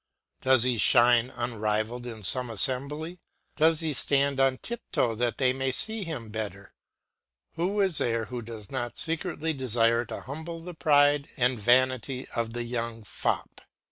Does he shine unrivalled in some assembly, does he stand on tiptoe that they may see him better, who is there who does not secretly desire to humble the pride and vanity of the young fop?